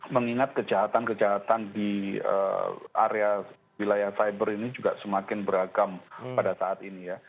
mengingat kejahatan kejahatan di area wilayah cyber ini juga semakin beragam pada saat ini ya